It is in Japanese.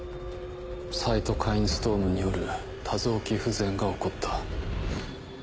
サイトカインストームによる多臓器不全が起こった。